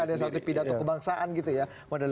ada yang satu pidato kebangsaan gitu ya